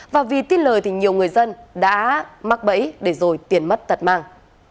và vì tin lời thì nhiều người dân đã mắc bẫy để rồi tiền mất tật mang